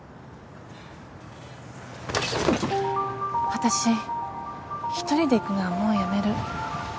私一人で逝くのはもうやめる。